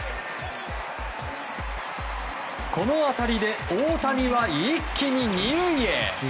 この当たりで大谷は一気に２塁へ。